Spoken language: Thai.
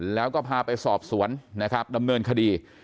แล้วก็พาไปสอบสวนดำเนินคดี